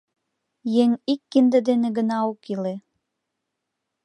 — Еҥ ик кинде дене гына ок иле.